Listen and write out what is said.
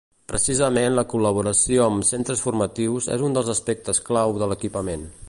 Precisament la col·laboració amb centres formatius és un dels aspectes clau de l’equipament.